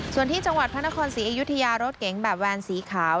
ส่วนที่จังหวัดพระนครศรีอยุธยารถเก๋งแบบแวนสีขาว